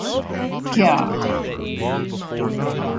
Ca.